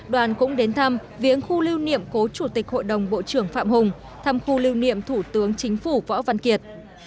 đoàn cũng đến thăm viếng khu lưu niệm cố chủ tịch hội đồng bộ trưởng phạm hùng thăm khu lưu niệm thủ tướng chính phủ võ văn kiệt